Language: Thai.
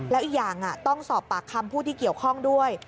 แล้วอีกอย่างต้องสอบปากคำผู้ที่เกี่ยวข้องด้วย